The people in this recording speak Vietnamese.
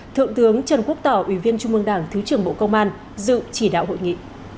thượng tướng trần quốc tỏ ủy viên trung mương đảng thứ trưởng bộ công an dự chỉ đạo hội nghị